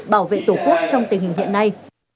bảo vệ tổ quốc trong tình hình hiện nay